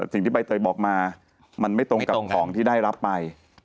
สิ่งที่ใบเตยบอกมามันไม่ตรงกับของที่ได้รับไป